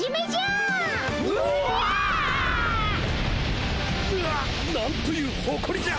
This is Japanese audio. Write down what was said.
ぬおっなんというほこりじゃ！